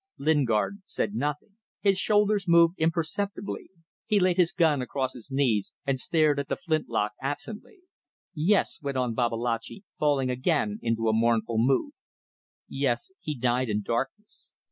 Lingard said nothing. His shoulders moved imperceptibly. He laid his gun across his knees and stared at the flint lock absently. "Yes," went on Babalatchi, falling again into a mournful mood, "yes, he died in darkness.